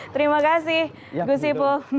terima kasih gus sipul